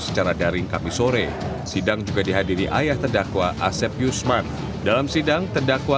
secara daring kami sore sidang juga dihadiri ayah terdakwa asep yusman dalam sidang terdakwa